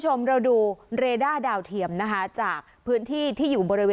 โดยการติดต่อไปก็จะเกิดขึ้นการติดต่อไป